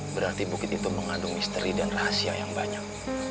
berarti bukit itu mengandung misteri dan rahasia yang banyak